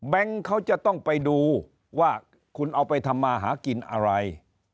เขาจะต้องไปดูว่าคุณเอาไปทำมาหากินอะไร